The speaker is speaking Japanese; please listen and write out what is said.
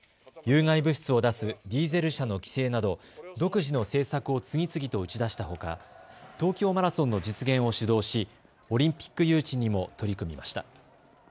有害物質を出すディーゼル車の規制など独自の政策を次々と打ち出したほか東京マラソンの実現を主導しオリンピック誘致にも取り組みました。